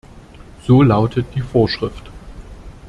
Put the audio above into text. So lautet die Vorschrift.